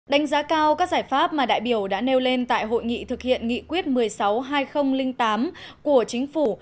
đánh giá cao các giải pháp mà đại biểu đã nêu lên tại hội nghị thực hiện nghị quyết một mươi sáu hai nghìn tám của chính phủ